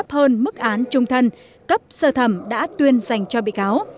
hơn mức án trung thân cấp sơ thẩm đã tuyên dành cho bị cáo